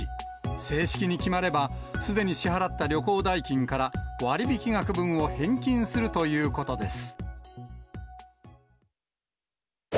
正式に決まれば、すでに支払った旅行代金から割引額分を返金するということです。